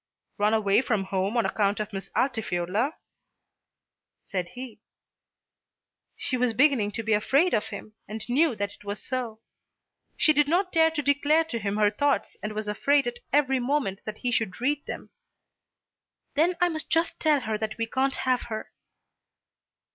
"Run away from home on account of Miss Altifiorla?" said he. She was beginning to be afraid of him and knew that it was so. She did not dare to declare to him her thoughts and was afraid at every moment that he should read them. "Then I must just tell her that we can't have her."